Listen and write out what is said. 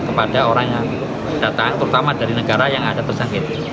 kepada orang yang datang terutama dari negara yang ada tersangkut